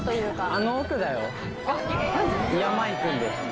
あの奥だよ山行くんで。